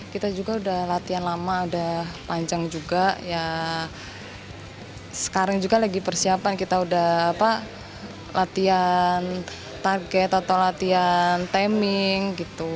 kita juga sudah latihan lama sudah panjang juga sekarang juga lagi persiapan kita sudah latihan target atau latihan timing